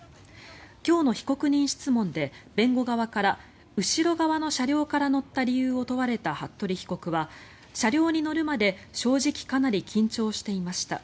今日の被告人質問で弁護側から後ろ側の車両から乗った理由を問われた服部被告は車両に乗るまで正直かなり緊張していました